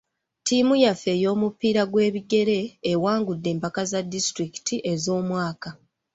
Ttiimu yaffe ey'omupiira gw'ebigere ewangudde empaka za disitulikiti ez'omwaka.